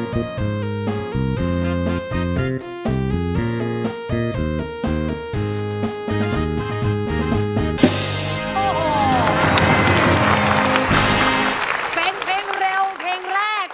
เป็นเพลงเร็วเพลงแรก